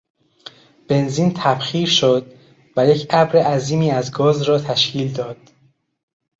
بنزین تبخیر شد و یک ابر عظیمی از گاز را تشکیل داد.